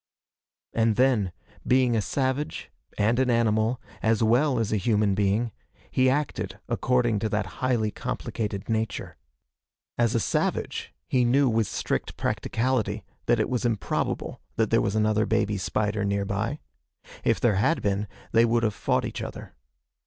And then, being a savage, and an animal, as well as a human being, he acted according to that highly complicated nature. As a savage, he knew with strict practicality that it was improbable that there was another baby spider nearby. If there had been, they would have fought each other.